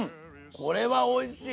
これはおいしい！